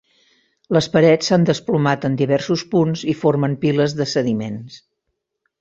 Les parets s'han desplomat en diversos punts i formen piles de sediments.